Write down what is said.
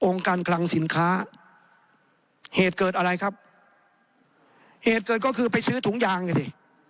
การคลังสินค้าเหตุเกิดอะไรครับเหตุเกิดก็คือไปซื้อถุงยางไงสิ